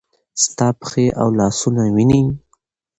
ستا پښې او لاسونه وینې ؟